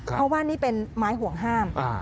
เพราะว่านี่เป็นไม้ห่วงห้าม